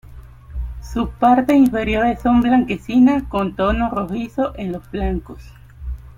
Sus partes inferiores son blanquecinas con tonos rojizos en los flancos.